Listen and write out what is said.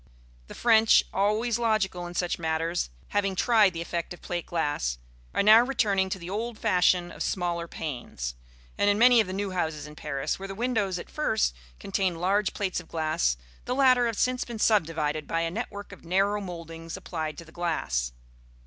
The French, always logical in such matters, having tried the effect of plate glass, are now returning to the old fashion of smaller panes; and in many of the new houses in Paris, where the windows at first contained large plates of glass, the latter have since been subdivided by a network of narrow mouldings applied to the glass.